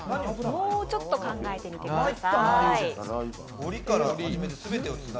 もうちょっと考えてみてください。